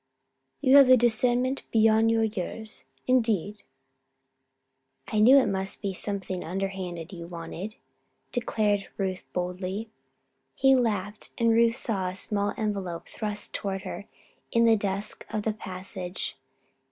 You have the discernment beyond your years. Indeed!" "I knew it must be something underhanded you wanted," declared Ruth, boldly. He laughed and Ruth saw a small envelope thrust toward her in the dusk of the passage.